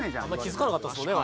気付かなかったですもんね